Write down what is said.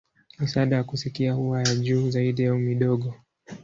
Misaada ya kusikia huwa ya juu zaidi au midogo.